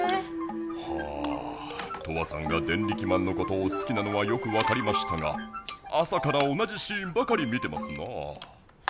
はあトアさんがデンリキマンのことをすきなのはよくわかりましたが朝から同じシーンばかり見てますなあ。